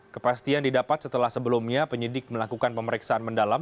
kepastian didapat setelah sebelumnya penyidik melakukan pemeriksaan mendalam